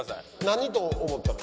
何と思ったら。